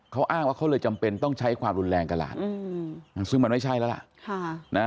เขาอ้างว่าเขาเลยจำเป็นต้องใช้ความรุนแรงกับหลานซึ่งมันไม่ใช่แล้วล่ะ